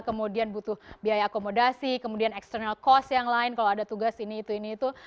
kemudian butuh biaya akomodasi kemudian external cost yang lain kalau ada tugas ini itu ini itu